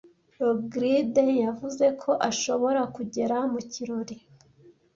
Rogride yavuze ko ashobora kugera mu kirori.